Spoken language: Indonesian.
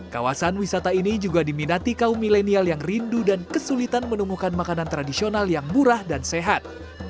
kawasan wisata ini juga diminati kaum milenial yang rindu dan kesulitan menemukan makanan tradisional yang murah dan sehat